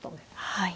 はい。